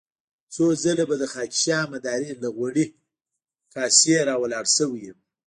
څو ځله به د خاکيشاه مداري له غوړې کاسې را ولاړ شوی يم.